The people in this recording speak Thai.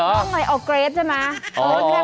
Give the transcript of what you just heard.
เอาเกรทใช่ไหม